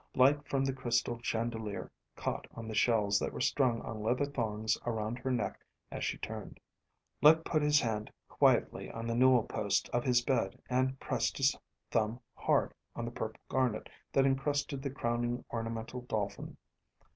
Light from the crystal chandelier caught on the shells that were strung on leather thongs around her neck as she turned. Let put his hand quietly on the newel post of his bed and pressed his thumb hard on the purple garnet that encrusted the crowning ornamental dolphin.